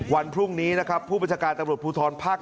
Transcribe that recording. วันพรุ่งนี้นะครับผู้บัญชาการตำรวจภูทรภาค๗